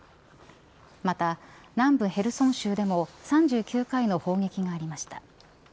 また、南部ヘルソン州でも３９回の砲撃がありました。